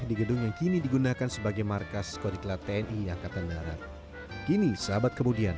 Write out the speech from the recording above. di gedung yang kini digunakan sebagai markas koriklat tni angkatan darat kini sahabat kemudian